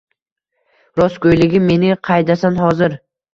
Rostgo‘yligim mening qaydasan hozir?!